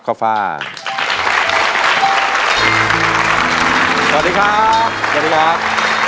ขอบคุณครับ